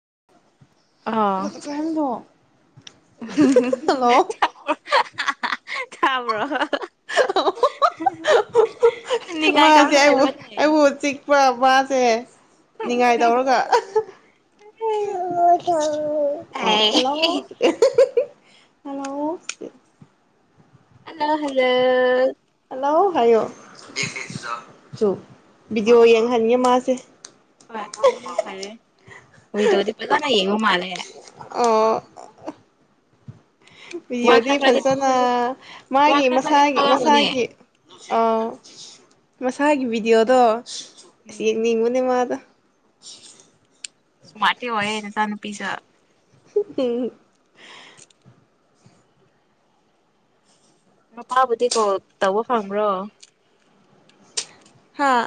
[inaudible] good [unintelligible] [unintelligible] ꯇꯥꯕ꯭ꯔꯣ ꯅꯤꯡꯉꯥꯏ ꯃꯥꯁꯦ ꯇꯧꯔꯒ ꯑꯩꯕꯨ ꯂꯩꯕ꯭ꯔꯅꯦ ꯑꯩꯕꯨ ꯆꯤꯛꯄ ꯃꯥ ꯇꯦꯁ ꯅꯤꯡꯉꯥꯏ ꯇꯧꯔꯒ ꯍꯜꯂꯣ ꯑꯦ ꯍꯜꯂꫭ ꯍꯜꯂꫭ ꯍꯂꫭ ꯍꯂꫭ ꯍꯜꯂꯣ ꯍꯥꯏꯌꯣ ꯁꯨ ꯕꯤꯗꯤꯑꯣ ꯌꯦꯡꯍꯟꯒꯦ ꯃꯥꯁꯦ ꯍꫭꯏ ꯑꯗꯨꯅ ꯐꯔꯦ ꯚꯤꯗ꯭ꯌꫭꯗꯤ ꯐꯖꯅ ꯌꯦꯡꯉꯨ ꯃꯥꯂꯦ ꯑ ꯋꯥ ꯎꯏꯔꯗꯤ ꯈꯔ ꯈꯔꯗꯤ ꯐꯖꯅ ꯋꯥ ꯃꯥꯒꯤ ꯈꯔ ꯈꯔꯗꯤ ꯃꯁꯥꯒꯤ ꯊꯣꯛꯂꯝꯒꯅꯤ ꯃꯁꯥꯒꯤ ꯑꯥꯎ ꯃꯁꯥꯒꯤ ꯚꯤꯗꯤꯑꯣꯗꯣ ꯎꯝ ꯌꯦꯅꯤꯡ ꯕꯅꯦ ꯃꯥꯗꫭ [inaudible] ꯁꯃꯥꯔꯠꯇꯤ ꯑꯣꯏꯌꯦ ꯅꯆꯥ ꯅꯨꯄꯤꯁꯨ ꯍꯨ ꯍꯝ ꯃꯄꯥꯕꯨꯗꯤ ꯀꯣꯜ ꯇꯧꯕ ꯐꯪꯕ꯭ꯔꯣ ꯍꯥꯥ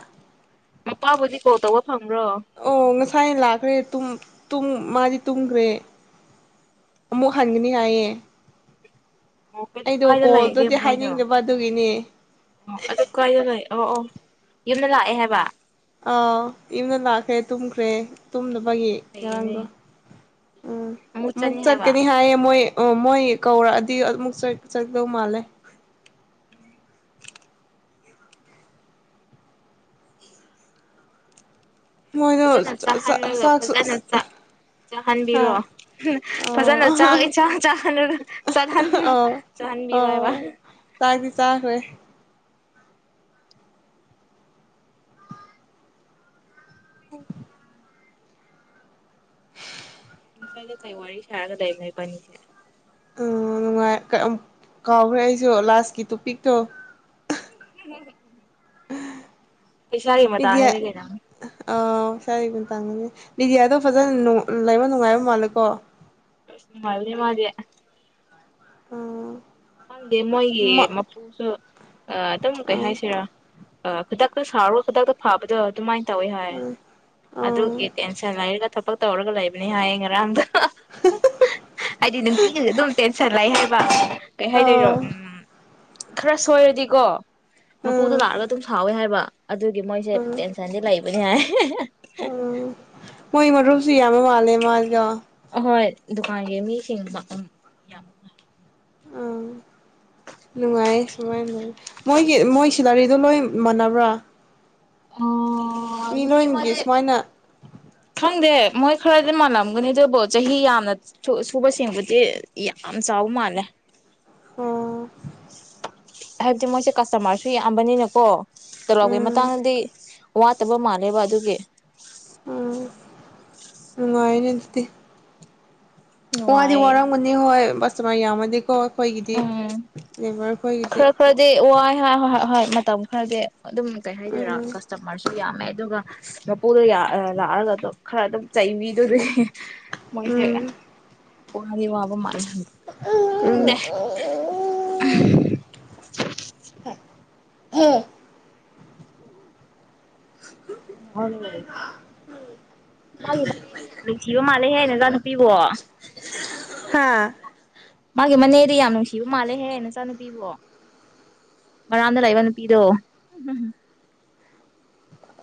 ꯃꯄꯥꯕꯨꯗꯤ ꯀꯣꯜ ꯇꯧꯕ ꯐꯪꯕ꯭ꯔꯣ ꯑꯣ ꯉꯁꯥꯏ ꯂꯥꯛꯈ꯭ꯔꯦ ꯇꯨꯝ ꯇꯨꯝꯃꯥꯗꯤ ꯇꯨꯝꯈ꯭ꯔꯦ ꯑꯃꯨꯛ ꯍꯟꯒꯅꯤ ꯍꯥꯏꯌꯦ ꯑꯣ ꯑꯩꯗꯣ ꯀꯥꯏꯗ ꯂꯩꯒꯦ ꯀꯣꯜꯗꯨꯗꯤ ꯃꯣꯏꯗꯣ ꯍꯥꯏꯅꯤꯡꯗꯕ ꯑꯗꯨꯒꯤꯅꯦ ꯑꯣ ꯑꯗꯨ ꯀꯥꯏꯗ ꯂꯩ ꯑꯣ ꯑꯣ ꯌꯨꯝꯗ ꯂꯥꯛꯑꯦ ꯍꯥꯏꯕ ꯑꯥ ꯌꯨꯝꯗ ꯂꯥꯛꯈ꯭ꯔꯦ ꯇꯨꯝꯈ꯭ꯔꯦ ꯇꯨꯝ ꯕꯒꯤ ꯐꯩꯌꯦꯅꯦ ꯉꯔꯥꯡꯗꯣ ꯎꯝ ꯑꯃꯨꯛ ꯃꯨꯛ ꯆꯠꯅꯤ ꯍꯥꯏꯕ ꯆꯠꯀꯅꯤ ꯍꯥꯏꯌꯦ ꯃꯣꯏ ꯑꯣ ꯃꯣꯏ ꯀꯧꯔꯛꯑꯗꯤ ꯑꯃꯨꯛ ꯆꯠ ꯆꯠꯀꯗꯧ ꯃꯥꯜꯂꯦ ꯃꯣꯏꯗꯣ ꯐꯖꯅ ꯆꯥꯍꯜꯂꯒ ꯆꯥꯛꯁꯨ ꯐꯖꯅ ꯍꯥ ꯆꯥꯍꯟꯕꯤꯔꯣ ꯐꯖꯅꯥꯛ ꯑꯣ ꯌꯦꯟꯁꯥꯡ ꯆꯥꯍꯜꯂꯒ ꯆꯠꯍꯟꯣ ꯑꯣ ꯆꯥꯍꯟꯕꯤꯌꯣ ꯍꯥꯏꯕ ꯆꯔꯦ ꯑꯥꯏꯦ ꯀꯩ ꯋꯥ ꯁꯒꯗꯏ ꯉꯏꯕꯅꯤ ꯎ ꯅꯨꯡꯉꯥꯏ ꯀ ꯀꯥꯎꯈ꯭ꯔꯦ ꯑꯩꯁꯨ ꯂꯥꯁꯀꯤ ꯇꯣꯄꯤꯛꯇꯣ ꯎ ꯀ ꯁꯥꯔꯒꯤꯃ ꯇꯅꯦ ꯂꯩꯒꯖ ꯆꯒꯨ ꯇꯥꯡꯒꯅꯤ ꯅꯤꯗꯤꯌꯥꯗꯣ ꯐꯖꯅ ꯂꯩꯕ ꯅꯨꯡꯉꯥꯏꯕ ꯃꯥꯜꯂꯦꯀꯣ ꯃꯦ ꯃꯥꯗꯤꯦ ꯎꯝ ꯈꯪꯗꯦ ꯃꯣꯏꯒꯤ ꯃꯄꯨꯁꯨ ꯑꯗꯨꯝ ꯀꯩ ꯃꯣꯏ ꯍꯥꯏꯁꯤꯔꯥ ꯑ ꯈꯨꯗꯛꯇ ꯁꯥꯥꯎꯔꯒ ꯈꯨꯗꯛꯇ ꯐꯥꯕꯗꯣ ꯑꯗꯨꯃꯥꯏꯅ ꯇꯧꯋꯤ ꯍꯥꯏ ꯑꯗꯨꯒꯤ ꯇꯦꯟꯁꯟ ꯂꯩꯔꯒ ꯊꯕꯛ ꯇꯧꯔꯒ ꯂꯩꯕꯅꯤ ꯍꯥꯏꯌꯦ ꯉꯔꯥꯡꯗ ꯍꯥꯏꯗꯤ ꯅꯨꯡꯇꯤꯒꯤꯁꯨ ꯑꯗꯨꯝ ꯇꯦꯟꯁꯟ ꯂꯩ ꯍꯥꯏꯕ ꯀꯩ ꯍꯥꯏꯗꯣꯏꯔꯣ ꯎꯝ ꯈꯔ ꯁꯣꯏꯔꯗꯤꯀꯣ ꯃ ꯄꯣ ꯊ ꯇꯥꯔꯕ ꯇꯨ ꯁꯥꯎꯋꯦ ꯍꯥꯏ ꯋꯥ ꯑꯗꯨꯒꯤ ꯃꯣꯏꯁꯦ ꯇꯦꯟꯁꯟꯗꯤ ꯂꯩꯕ ꯑꯗꯨ ꯌꯥꯥꯏ ꯑ ꯃꯣꯏ ꯃꯔꯔꯨ ꯁꯤ ꯌꯥꯃ ꯃꯥꯂꯦ ꯃꯥꯒ ꯍꯣꯏ ꯗꯨꯀꯥꯟꯒꯤ ꯃꯤꯁꯤꯡ ꯎꯝ ꯌꯥꯝ ꯑꯥ ꯅꯨꯡꯉꯥꯏꯌꯦ ꯁꯨꯃꯥꯏꯅ ꯂꯩ ꯃꯣꯏꯒꯤ ꯃꯣꯏ ꯁꯤꯂꯔꯤꯗꯣ ꯂꯣꯏ ꯃꯥꯟꯅꯕ꯭ꯔꯥ ꯑꯣ ꯅꯨꯄꯤ ꯃꯤꯂꯣꯏꯅꯒꯦ ꯑꯃꯗꯤ ꯁꯃꯥꯏꯅꯥ ꯈꯪꯗꯦ ꯃꯣꯏ ꯈꯔꯗꯤ ꯃꯥꯜꯂꯝꯒꯅꯤ ꯑꯗꯨꯕꯨ ꯆꯍꯤ ꯌꯥꯝꯅ ꯁꯨꯕ ꯁꯦꯡꯕꯨꯗꯤ ꯌꯥꯝ ꯆꯥꯎꯕ ꯃꯥꯜꯂꯦ ꯑꯣ ꯍꯥꯏꯕꯗꯤ ꯃꯣꯏꯁꯦ ꯀꯁꯇꯃꯥꯔꯁꯨ ꯌꯥꯝꯕꯅꯤꯅꯀꯣ ꯇꯔꯛꯒ ꯃꯇ ꯎꯝ ꯃꯇꯥꯡꯗꯤ ꯋꯥꯠꯇꯕ ꯃꯥꯜꯂꯦꯕ ꯑꯗꯨꯒꯤ ꯅꯨꯡꯉꯥꯏꯅ ꯑꯗꯨꯗꯤ ꯀꯋꯥꯗꯤ ꯅꯨꯡꯉꯥꯏ ꯋꯥꯔꯡ ꯃꯨꯅꯤ ꯍ ꯁꯃꯥꯏ ꯌꯥ ꯑꯃꯀꯣ ꯑꯩꯈꯣꯏꯒꯤꯗꯤ ꯎꯝ ꯂꯦꯕꯔꯈꯣꯏꯒꯤꯗꯤ ꯍ ꯍꯣꯏ ꯍꯣꯏ ꯍꯣꯏ ꯃꯇꯝ ꯈꯔꯗꯤꯦ ꯑꯗꯨꯝ ꯀꯩ ꯍꯥꯏꯗꯣꯏꯔꯥ ꯎꯝ ꯀꯁꯇꯃꯔꯁꯨ ꯌꯥꯝꯃꯦ ꯑꯗꯨꯒ ꯃꯄꯨꯗꯣ ꯂꯥꯛꯑꯒ ꯑꯗꯨꯝ ꯈꯔ ꯑꯗꯨꯝ ꯆꯩꯕꯤꯗꯨꯗꯤ ꯃꯣꯏꯁꯦ ꯎꯝ ꯋꯥꯗꯤ ꯋꯥꯕ ꯃꯥꯜꯂꯦ ꯈꯪꯗꯦ ꯎꯝ [inaudible] [unintelligible] [unintelligible] [unintelligible] ꯌꯥꯝ ꯅꯨꯡꯁꯤꯕ ꯃꯥꯜꯂꯦ [unintelligible] ꯍꯥꯥ ꯃꯥꯒꯤ ꯃꯅꯦꯗꯤ ꯌꯥꯝ ꯅꯨꯡꯁꯤꯕ ꯃꯥꯜꯂꯦꯍꯦ ꯅꯆꯥꯅꯨꯄꯤꯕꯣ ꯃꯔꯥꯡꯗ ꯂꯩꯕ ꯅꯨꯄꯤꯗꯣ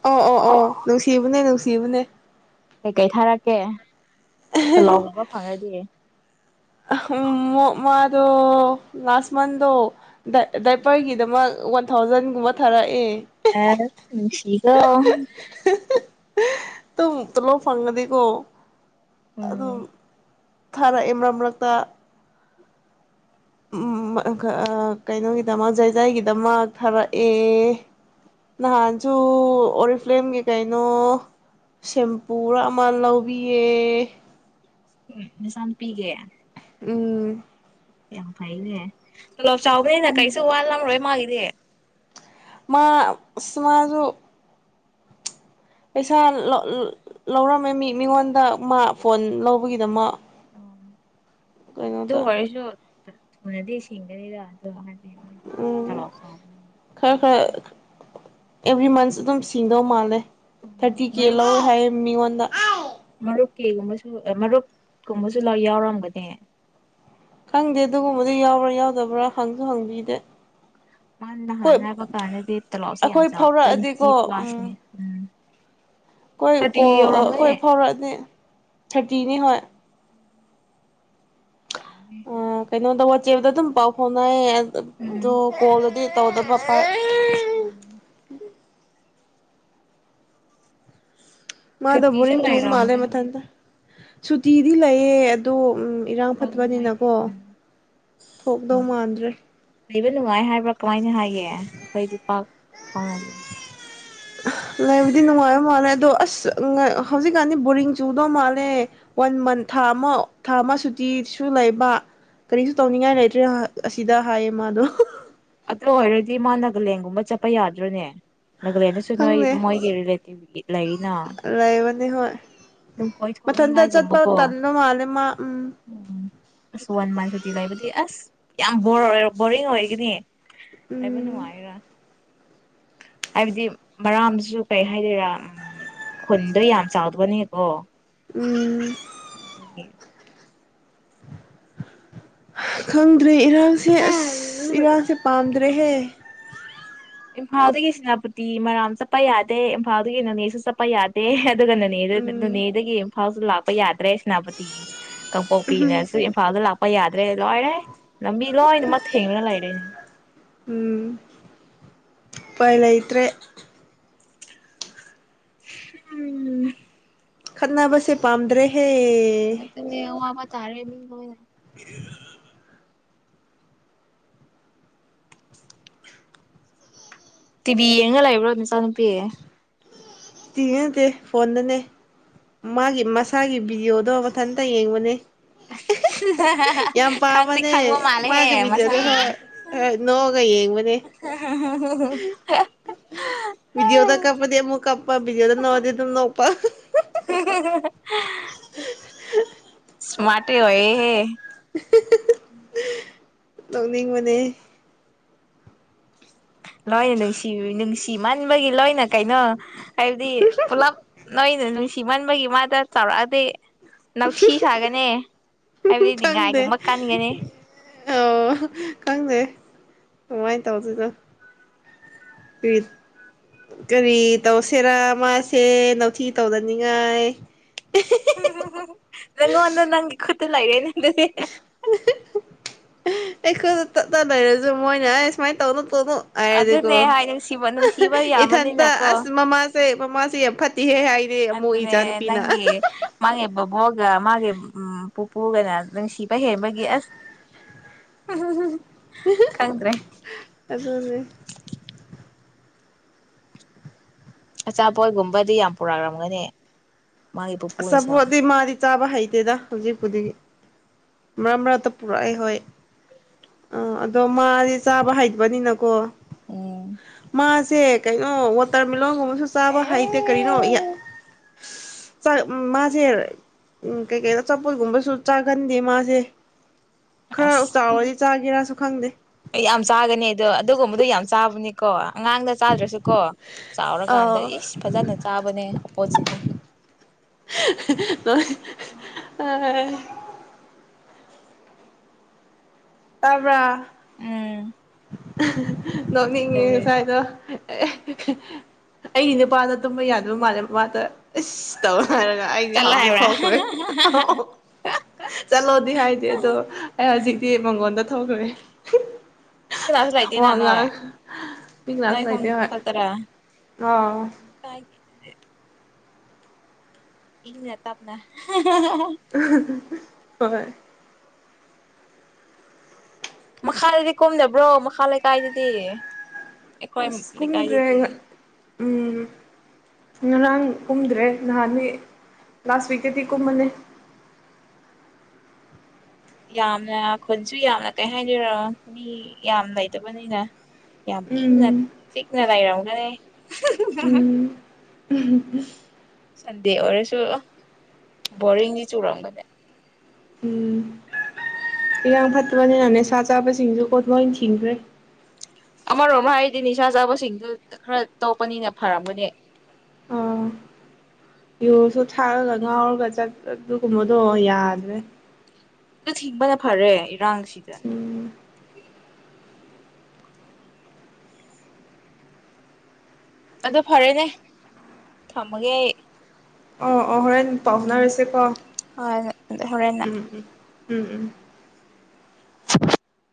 ꯑꯣ ꯑꯣ ꯑꯣ ꯅꯨꯁꯤꯕꯅꯦ ꯅꯨꯡ [unintelligible] ꯅꯦ ꯀ ꯀꯩ ꯊꯥꯔꯛꯀꯦ ꯇ ꯂꯥꯎꯕ ꯐꯪꯉꯗꯤꯌꯦ ꯑꯍꯝ ꯃꯣ ꯃꯥꯗꯣ ꯂꯥꯁ ꯃꯟꯗꯣ ꯗ ꯗꯥꯏꯄꯔꯒꯤꯗꯃꯛ ꯋꯥꯟ ꯊꯥꯎꯖꯟꯒꯨꯝꯕ ꯊꯥꯔꯛꯑꯦ [unintelligible] ꯅꯨꯡꯁꯤ [unintelligible] ꯇꯨꯝ ꯇꯣꯂꯣꯞ ꯐꯪꯉꯗꯤ ꯀꯣ ꯎꯝ ꯑꯗꯨꯝ ꯊꯥꯔꯛꯑꯦ ꯃꯔꯛ ꯃꯔꯛꯇ ꯎꯝ [unintelligible] ꯀꯩꯅꯣꯒꯤꯗꯃꯛ ꯖꯥꯏꯖꯥꯏꯒꯤꯗꯃꯥꯛ ꯊꯥꯔꯛꯑꯦ ꯅꯍꯥꯟꯁꯨ ꯑꯣꯔꯤꯐꯂꯦꯝꯒꯤ ꯀꯩꯅꯣ ꯁꯦꯝꯄꯨꯔꯥ ꯑꯃ ꯂꯧꯕꯤꯌꯦ ꯎ ꯅꯆꯥꯅꯨꯄꯤꯒꯦ ꯎꯝ ꯌꯥꯝ ꯐꯥꯏꯅꯦ ꯇꯨꯂꯣꯞ ꯆꯥꯎꯕꯅꯤꯅ ꯀꯩꯁꯨ ꯋꯥꯠꯂꯔꯣꯏ ꯃꯥ [unintelligible] ꯃꯥ ꯑꯁ ꯃꯥꯖꯨ ꯄꯩꯁꯥ ꯂ ꯂꯧꯔꯝꯃꯦ ꯃꯤ ꯃꯤꯉꯣꯟꯗ ꯃꯥ ꯐꯣꯟ ꯂꯧꯕꯒꯤꯗꯃꯛ ꯑꯗꯨ ꯀꯩꯅꯣꯗ ꯑꯣꯏꯔꯁꯨ [unintelligible] ꯎꯝ ꯇꯣꯂꯣꯞ ꯆꯥꯎꯕꯅꯤꯅ ꯈꯔ ꯈꯔ ꯑꯦꯚ꯭ꯔꯤ ꯃꯟꯁ ꯑꯗꯨꯝ ꯁꯤꯡꯗꯧ ꯃꯥꯜꯂꯦ ꯊꯔꯇꯤ ꯀꯦ ꯃꯔꯨꯞ ꯂꯧꯑꯦ ꯍꯥꯏꯌꯦ ꯃꯤꯉꯣꯟ ꯅ [inaudible] ꯃꯔꯨꯞꯀꯤꯒꯨꯝꯕꯁꯨ ꯃꯔꯨꯞꯀꯨꯝꯕꯁꯨ ꯂ ꯌꯥꯎꯔꯝꯒꯅꯦ ꯈꯪꯗꯦ ꯑꯗꯨꯒꯨꯝꯕꯗ ꯨ ꯌꯥꯎꯕ꯭ꯔꯥ ꯌꯥꯎꯗꯕ꯭ꯔꯥ ꯍꯪꯁꯨ ꯍꯪꯕꯤꯗꯦ ꯃꯥꯅ ꯍꯣꯏ ꯅꯍꯥꯟꯅ ꯍꯥꯏꯕ ꯀꯥꯟꯗꯗꯤ ꯇꯣꯂꯣꯞꯁꯦ ꯌꯥꯝ ꯑꯩꯈꯣꯏ ꯆꯥꯎ ꯇ꯭ꯨꯌꯦꯟꯇꯤ ꯐꯥꯎꯔꯛꯑꯗꯤꯀꯣ ꯎꯝ ꯄ꯭ꯂꯁꯅꯦ ꯎꯝ ꯑꯩꯈꯣꯏ ꯊꯥꯔꯇꯤ ꯀꯣ ꯌꯧꯔꯝꯒꯅꯤ ꯑꯩꯈꯣꯏ ꯐꯥꯎꯔꯛꯑꯅꯤ ꯊꯔꯇꯤꯅꯦ ꯍꯣꯏ [unintelligible] ꯀꯩꯅꯣꯗ ꯋꯥꯆꯦꯞꯇ ꯗꯨꯝ ꯄꯥꯎ ꯐꯥꯎꯅꯩꯌꯦ ꯎꯝ [unintelligible] ꯁꯤ ꯇꯧꯗꯕ ꯐꯩ ꯃꯥꯗꯣ ꯁꯨꯇꯤꯁꯨ ꯕꯣꯔꯤꯡ ꯆꯨꯕ ꯃꯥꯜꯂꯦ ꯂꯩꯔꯝꯒꯅꯤ ꯃꯊꯟꯗ ꯁꯨꯇꯤꯗꯤ ꯂꯩꯌꯦ ꯑꯗꯣ ꯎꯝ ꯏꯔꯥꯡ ꯊꯣꯛꯅꯤꯡꯉꯥꯏꯗꯤ ꯐꯠꯇꯕꯅꯤꯅꯀꯣ ꯊꯣꯛꯗꯧ ꯎꯝ ꯃꯥꯟꯗ꯭ꯔꯦ ꯂꯩꯕ ꯅꯨꯡꯉꯥꯏ ꯍꯥꯏꯕ꯭ꯔꯥ ꯀꯃꯥꯏꯅ ꯍꯥꯏꯒꯦ ꯑꯩꯈꯣꯏꯗꯤ ꯄꯥꯛ ꯐꯥꯎꯅꯗꯦ ꯂꯩꯕꯗꯤ ꯅꯨꯡꯉꯥꯏꯕ ꯃꯥꯜꯂꯦ ꯑꯗꯣ ꯑꯁ ꯍꯧꯖꯤꯛꯀꯥꯟꯗꯤ ꯕꯣꯔꯤꯡ ꯆꯨꯗꯧ ꯃꯥꯜꯂꯦ ꯋꯥꯟ ꯃꯟ ꯊꯥ ꯑꯃ ꯊꯥ ꯑꯃ ꯁꯨꯇꯤꯁꯨ ꯂꯩꯕ ꯀꯔꯤꯁꯨ ꯇꯧꯅꯤꯡꯉꯥꯏ ꯂꯩꯇ꯭ꯔꯦ ꯑꯁꯤꯗ ꯍꯥꯏꯌꯦ ꯃꯥꯗꯣ ꯑꯗꯣ ꯑꯣꯏꯔꯗꯤ ꯃꯥ ꯅꯥꯒꯥꯂꯦꯟꯒꯨꯝꯕ ꯆꯠꯄ ꯌꯥꯗ꯭ꯔꯣꯅꯦ ꯅꯥꯒꯥꯂꯦꯟꯗꯁꯨ ꯅꯣꯏ ꯈꯪꯗꯦ ꯃꯣꯏꯒꯤ ꯔꯤꯂꯦꯇꯤꯚ ꯂꯩꯔꯤꯅꯥ ꯂꯩꯕꯅꯤ ꯍꯣꯏ ꯃꯊꯟꯇ ꯆꯠꯄ ꯇꯜꯂ ꯃꯥꯜꯂꯦ ꯃꯥ ꯎꯝ ꯑꯁ ꯋꯥꯟ ꯃꯟ ꯁꯨꯇꯤ ꯂꯩꯕꯗꯤ ꯑꯁ ꯌꯥꯝ ꯕꯣꯔ ꯑꯣꯏ ꯕꯣꯔꯤꯡ ꯑꯣꯏꯒꯅꯤ ꯂꯩꯕ ꯎꯝ ꯅꯨꯡꯉꯥꯏꯌꯦꯔꯥ ꯍꯥꯏꯕꯗꯤ ꯃꯔꯥꯝꯁꯨ ꯀꯩ ꯍꯥꯏꯗꯣꯏꯔꯥ ꯎꯝ ꯈꯨꯟꯗꯣ ꯌꯥꯝ ꯆꯥꯎꯕꯅꯤ ꯑꯣ ꯎꯝ ꯑꯗꯨꯒꯤ ꯈꯪꯗ꯭ꯔꯦ ꯏꯔꯥꯡꯁꯦ ꯑꯁ ꯏꯔꯥꯡꯁꯦ ꯄꯥꯝꯗ꯭ꯔꯦꯍꯦ ꯏꯝꯐꯥꯜꯗꯒꯤ ꯁꯦꯅꯥꯄꯇꯤ ꯃꯔꯥꯝ ꯆꯠꯄ ꯌꯥꯗꯦ ꯏꯝꯐꯥꯜꯗꯒꯤ ꯅꯣꯅꯦꯁꯨ ꯆꯠꯄ ꯌꯥꯗꯦ ꯎꯝ [unintelligible] ꯊꯥꯎꯁꯨ ꯂꯥꯛꯄ ꯌꯥꯗꯦ ꯄꯦꯥ ꯁꯦꯅꯥꯄꯇꯤ ꯀꯥꯡꯄꯣꯛꯄꯤꯅꯁꯨ ꯏꯝꯐꯥꯜꯗ ꯂꯥꯛꯄ ꯄ ꯌꯥꯗ꯭ꯔꯦ ꯏꯜꯂꯣ ꯍꯥꯏꯅꯦꯦ ꯂꯝꯕꯤ ꯂꯣꯏꯅꯃꯛ ꯊꯦꯡꯡꯂꯅ ꯂꯩꯔꯅꯦ ꯄꯥꯏ ꯂꯩꯩꯇ꯭ꯔꯦ ꯎꯝ ꯈꯅꯥꯕꯁꯦ ꯄꯥꯝꯗ꯭ꯔꯦ ꯍꯦ ꯑꯋꯥꯕꯥ ꯇꯥꯦꯕꯤ ꯍ ꯇꯤꯕꯤꯤ ꯌꯦꯡꯉꯒ ꯂꯩꯥꯛꯏꯕ꯭ꯔꯣ ꯅꯨꯆꯥ ꯅꯨꯄꯤꯌꯦ ꯇꯤꯉ ꯅꯠꯇꯦ ꯐꯣꯟꯗꯅꯦ ꯃꯥꯒꯤ ꯃꯁꯥꯒꯤ ꯚꯤꯗꯤꯑꯣꯗꯣ ꯃꯊꯟꯇ ꯌꯦꯡꯕꯅꯦ ꯌꯥꯝ ꯈꯪꯗꯤ ꯄꯥꯝꯕꯅꯦ ꯈꯪꯕ ꯃꯥꯜꯂꯦꯍꯦ ꯃꯥꯒ ꯃꯁꯥ ꯄꯤꯗꯤꯗ ꯅꯣꯒ ꯌꯦꯡꯕꯅꯦ ꯕꯤꯖꯤ ꯑꯣꯗ ꯀꯄꯗ ꯑꯃꯨꯛ ꯀꯄꯕꯤꯖꯤꯗ ꯅꯗꯤ ꯄ ꯏꯁ ꯃꯥꯔ ꯑꯣꯏꯦ [unintelligible] ꯇꯧꯅꯤꯡ ꯃꯅꯦ ꯂꯣꯏꯅ ꯅꯨꯡꯁꯤ ꯅꯨꯡꯁꯤ ꯃꯟꯕꯒꯤ ꯂꯣꯏꯅ ꯀꯩꯅꯣ ꯑꯦꯗꯤ ꯄꯨꯂꯞ ꯅꯣꯏꯅ ꯅꯨꯡꯁꯤꯃꯟꯕꯒꯤ ꯃꯥꯗ ꯆꯥꯎꯔꯛꯑꯗꯤ ꯅꯥꯊꯤ ꯁꯥꯒꯅꯤ ꯍꯥꯏꯕꯗꯤ ꯅꯤ ꯈꯪꯗꯦ ꯉꯥꯏꯒꯨꯝꯕ ꯀꯥꯟꯒꯅꯤ ꯑꯣ ꯈꯪꯗꯦ ꯀꯃꯥꯏꯅ ꯇꯧꯁꯤꯣꯏꯅꯣ ꯀꯔꯤ ꯇꯧꯁꯤꯦꯔꯥ ꯃꯥꯁꯦ ꯅꯥꯊꯤ ꯇꯧꯗꯅꯤꯡꯉꯥꯏ ꯅꯪꯣꯟꯅ ꯅꯪꯒꯤ ꯈꯨꯠꯇ ꯂꯒꯦꯅꯦ [unintelligible] ꯑꯩꯈꯣꯏꯗ ꯇꯠꯠꯇ ꯂꯩꯔꯁꯨ ꯃꯣꯏꯅ ꯑꯩ ꯁꯨꯃꯥꯏꯅ ꯇꯧꯅ ꯍꯥꯏꯔꯗꯤꯀꯣ ꯑꯗꯨꯅꯦ ꯍꯥꯏ ꯅꯨꯡꯁꯤꯕ ꯅꯨꯡꯁꯤꯕ ꯏꯊꯟꯇ ꯑꯁ ꯌꯥꯝꯕꯅꯤꯅꯀꯣ ꯃꯃꯥꯁꯦ ꯃꯥꯁꯩ ꯌꯥꯝ ꯐꯠꯇꯦꯍꯦ ꯍꯥꯏꯅꯦ ꯑꯃꯨꯛ ꯑꯗꯨꯗꯅꯦ ꯏꯆꯥꯅꯨꯄꯤꯅ ꯅꯪꯦ ꯃꯥꯒꯤꯕ ꯍꯕ ꯃꯥꯒꯦ ꯎꯝ ꯄꯨꯄꯨꯒꯅ ꯅꯨꯡꯁꯤꯕ ꯍꯦꯟꯕꯒꯤ ꯑꯁ ꯈꯪꯗ꯭ꯔꯦ ꯑꯗꯨꯗꯅꯦ ꯑꯆꯥꯄꯣꯠꯒꯨꯝꯕꯗꯤ ꯌꯥꯝ ꯄꯨꯔꯛꯂꯝꯝꯒꯅꯤ ꯁꯕꯨꯗꯤ ꯃꯥꯔꯤ ꯆꯥꯕ ꯍꯩꯇꯦꯗ ꯍꯧꯖꯤꯛꯄꯨꯗꯤꯒꯤ ꯃꯔꯛ ꯃꯔꯛꯇ ꯄꯨꯔꯛꯑꯦ ꯍꯣꯏ ꯑ ꯑꯗꯣ ꯃꯥꯁꯦ ꯆꯥꯕ ꯍꯩꯕꯅꯤꯅꯀꯣ ꯎꯝ ꯃꯥ ꯁꯦ ꯀꯩꯅꯣ ꯋꯥꯇꯔꯃꯦꯂꯂꯣꯟꯒꯨꯝꯕꯁꯨ ꯆꯥꯕ ꯍꯩꯇꯦ ꯀꯔꯤꯅꯣ ꯃꯥꯁꯦ ꯀꯩ ꯀꯩꯅꯣ ꯑꯄꯣꯠꯒꯨꯝꯕꯁꯨ ꯆꯥꯒꯟꯗꯦ ꯃꯥ ꯑꯗꯨꯦ ꯑꯁ ꯈꯪꯗꯦ ꯑꯩ ꯌꯥꯝ ꯆꯥꯒꯅꯤ ꯑꯗꯣ ꯑꯗꯨꯒꯨꯝꯕꯗꯣ ꯌꯥꯝ ꯆꯥꯕꯅꯦ ꯀꯣ ꯑꯉꯥꯡꯗ ꯆꯥꯗ꯭ꯔꯁꯨꯀꯣ ꯆꯥꯎꯔꯀꯥꯟꯗ ꯑꯥꯎ ꯏꯁ ꯐꯖꯅ ꯆꯥꯕꯅꯦ ꯑꯣꯄꯣꯖꯤꯠꯅꯤ ꯑꯣ ꯑ ꯇꯥꯕ꯭ꯔꯥ ꯎꯝ ꯎꯝ ꯅꯣꯛꯅꯤꯡꯉꯦ ꯀꯩꯗꯧꯔꯦ ꯉꯁꯋꯥꯏꯗꯣ ꯑꯩꯒꯤ ꯅꯨꯄꯥꯗ ꯇꯨꯝꯕ ꯌꯥꯗꯕ ꯃꯥꯜꯂꯦ ꯃꯥꯗ ꯑꯁ ꯇꯧꯋ ꯍꯥꯏꯔꯒ ꯑꯩꯗꯤ ꯆꯠꯂꯣ ꯍꯧꯥꯎꯖꯤꯛ ꯍꯥꯏꯕ꯭ꯔꯥ ꯊꯣꯛꯇ꯭ꯔꯦ ꯆꯠꯂꯣꯗꯤ ꯍꯥꯏꯗꯦ ꯑꯗꯣ ꯑꯩ ꯍꯧꯖꯤꯛ ꯆꯦ ꯃꯪꯒꯣꯟꯗ ꯊꯣꯛꯈ꯭ꯔꯦ ꯃꯤ ꯀ꯭ꯂ ꯀ꯭ꯂꯥꯁ ꯋꯥ ꯉꯥꯡ ꯔꯍꯤꯇꯅꯥꯅ ꯈꯨꯐꯇꯔ ꯑ ꯏꯇꯞꯅ [inaudible] ꯍꯣꯏ ꯃꯈꯥꯗꯗꯤ ꯀꯨꯝꯕ꯭ꯔꯣ ꯃꯈꯥ ꯂꯩꯀꯥꯏꯗꯗꯤ ꯑꯦ ꯀꯣꯏ ꯑꯁ ꯀꯨꯝꯗ꯭ꯔꯦ ꯂꯩꯀꯥꯏꯗꯇ ꯎꯝ ꯉꯔꯥꯡ ꯀꯨꯝꯗ꯭ꯔꯦ ꯅꯍꯥꯟꯅꯤ ꯂꯥꯁ ꯋꯤꯛꯛꯇꯗꯤ ꯀꯨꯝꯃꯅꯤ ꯌꯥꯝꯅ ꯈꯨꯟꯁꯨ ꯌꯥꯝꯅ ꯀꯩ ꯍꯥꯏꯅꯤꯔꯣ ꯃꯤ ꯌꯥꯝ ꯂꯩꯇꯕꯅꯤꯅ ꯌꯥꯝ ꯏꯅ ꯎꯝ ꯆꯤꯛꯅꯗ ꯏꯔ ꯃꯅꯦ ꯑ ꯎꯝ ꯁꯟꯗꯦ ꯑꯣꯏꯔꯁꯨ ꯕꯣꯔꯤꯡꯗꯤ ꯆꯨꯔꯝꯕꯅꯦ ꯎꯝ ꯏꯔꯥꯡ ꯐꯠꯇ꯭ꯔꯅꯤꯅ ꯅꯤꯁꯥ ꯆꯥꯕꯁꯤꯡꯁꯨ ꯀꯣꯠꯄ ꯑꯣꯏꯅ ꯊꯤꯡꯈ꯭ꯔꯦ ꯑꯃꯔꯣꯝ ꯍꯥꯏꯔꯗꯤ ꯅꯤꯁꯥ ꯆꯥꯕꯁꯤꯡꯗꯨ ꯈꯔ ꯇꯧꯄꯅꯤꯅ ꯐꯔꯝꯕꯅꯦ ꯑꯥ ꯌꯨꯁꯨ ꯊꯥꯛꯑꯒ ꯉꯥꯎꯔꯒ ꯆꯠ ꯑꯗꯨꯒꯨꯝꯕꯗꯣ ꯌꯥꯗ꯭ꯔꯦ ꯊꯤꯡꯕ ꯅ ꯐꯔꯦ ꯔꯪꯁꯤꯗ ꯎꯝ ꯑꯗꯨ ꯐꯔꯦꯅꯦ ꯊꯝꯃꯒꯦ ꯑꯩ ꯑꯣ ꯑꯣ ꯍꯔꯦꯟ ꯄꯥꯎꯅꯥ ꯎꯝ ꯔꯁꯦ ꯄꯥꯎ ꯍꯣꯏ ꯍꯣꯔꯦꯟꯅ ꯎꯝ ꯎꯝ ꯎꯝ ꯎꯝ